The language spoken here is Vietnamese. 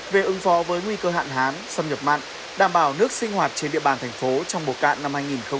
về ứng phó với nguy cơ hạn hán xâm nhập mặn đảm bảo nước sinh hoạt trên địa bàn tp trong bộ cạn năm hai nghìn hai mươi bốn